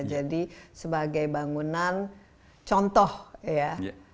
jadi sebagai bangunan contoh ya